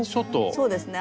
そうですね